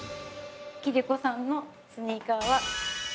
貴理子さんのスニーカーはこちらです。